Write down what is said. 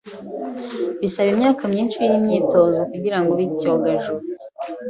Bisaba imyaka myinshi yimyitozo kugirango ube icyogajuru.